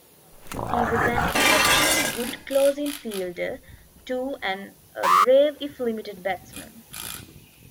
He was an exceptionally good close-in fielder, too, and a brave if limited batsman.